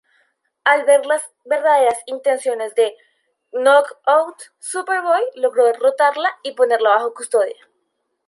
Al ver las verdaderas intenciones de Knockout, Superboy logró derrotarla y ponerla bajo custodia.